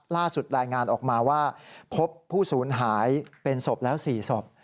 ล่าสุดรายงานออกมาว่าพบผู้ศูนย์หายเป็นศพแล้ว๔ศพ